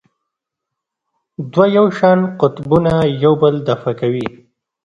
دوه یو شان قطبونه یو بل دفع کوي.